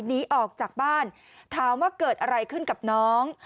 หนีออกจากบ้านถามว่าเกิดอะไรขึ้นกับน้อง